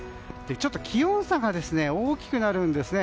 ちょっと気温差が大きくなるんですね。